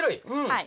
はい。